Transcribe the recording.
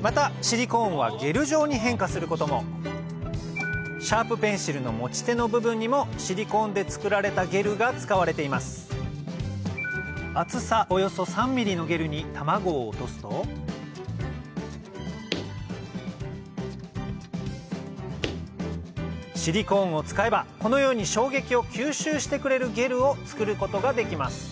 またシリコーンはゲル状に変化することもシャープペンシルの持ち手の部分にもシリコーンで作られたゲルが使われています厚さおよそ３ｍｍのゲルに卵を落とすとシリコーンを使えばこのように衝撃を吸収してくれるゲルを作ることができます